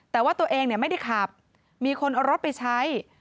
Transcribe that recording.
แต่ว่าตัวเองไม่ได้ขับมีคนเอารถไปใช้